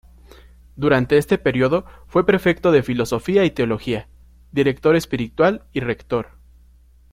Durante este período fue prefecto de filosofía y teología, director espiritual y rector.